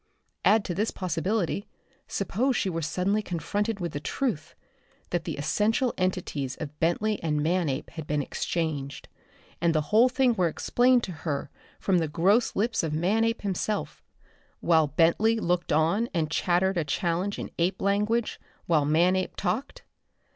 Add to this possibility, suppose she were suddenly confronted with the truth that the essential entities of Bentley and Manape had been exchanged, and the whole thing were explained to her from the gross lips of Manape himself, while "Bentley" looked on and chattered a challenge in ape language while Manape talked?